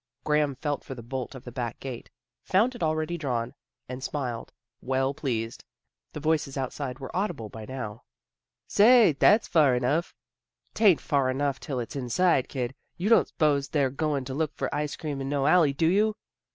Graham felt for the bolt of the back gate, found it already drawn, and smiled, well pleased. The voices outside were audible by now. " Say, that's far enough." " 'Tain't far enough till it's inside, kid. You don't s'pose they's goin' to look fer ice cream in no alley, do you?